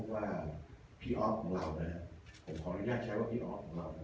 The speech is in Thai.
ท่านพี่อ๊อคนองโมาชดนี่นะครับ